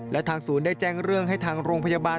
และทางศูนย์ได้แจ้งเรื่องให้ทางโรงพยาบาล